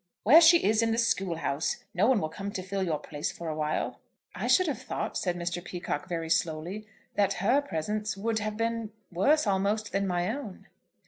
"Where she is in the school house. No one will come to fill your place for a while." "I should have thought," said Mr. Peacocke very slowly, "that her presence would have been worse almost, than my own."